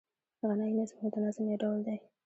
غنايي نظمونه د نظم یو ډول دﺉ.